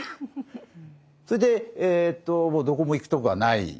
それでもうどこも行くとこがない。